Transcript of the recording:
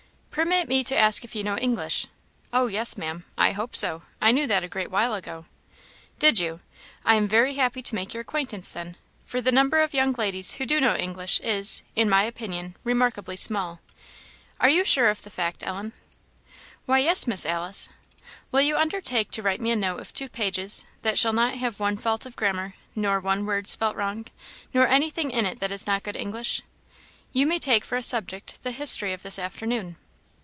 "Permit me to ask if you know English?" "Oh, yes, Maam, I hope so; I knew that a great while ago." "Did you? I am very happy to make your acquaintance then; for the number of young ladies who do know English is, in my opinion, remarkably small. Are you sure of the fact, Ellen?" "Why, yes, Miss Alice." "Will you undertake to write me a note of two pages that shall not have one fault of grammar, nor one word spelt wrong, nor anything in it that is not good English? You may take for a subject the history of this afternoon."